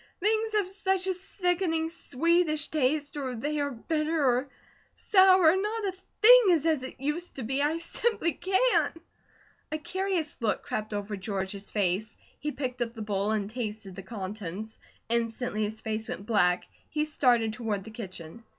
"Things have such a sickening, sweetish taste, or they are bitter, or sour; not a thing is as it used to be. I simply can't!" A curious look crept over George's face. He picked up the bowl and tasted the contents. Instantly his face went black; he started toward the kitchen.